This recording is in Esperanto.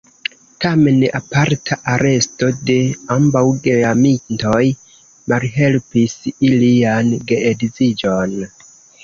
Tamen aparta aresto de ambaŭ geamantoj malhelpis ilian geedziĝon.